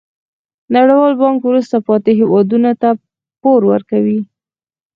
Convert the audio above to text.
نړیوال بانک وروسته پاتې هیوادونو ته پور ورکوي.